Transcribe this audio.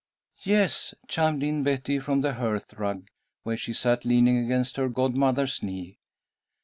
"Yes," chimed in Betty from the hearth rug, where she sat leaning against her godmother's knee.